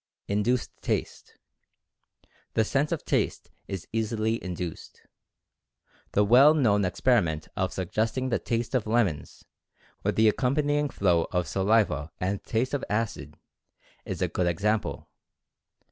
INDUCED TASTE. The sense of taste is easily induced. The well known experiment of suggesting the taste of lemons, with the accompaning flow of saliva and taste of acid, is a good example.